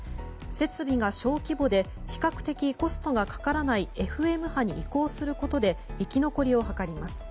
設備が小規模で比較的コストがかからないＦＭ波に移行することで生き残りを図ります。